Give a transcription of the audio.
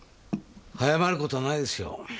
早まる事はないですよ。